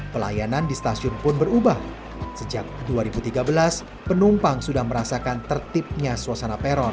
pelayanan di stasiun pun berubah sejak dua ribu tiga belas penumpang sudah merasakan tertibnya suasana peron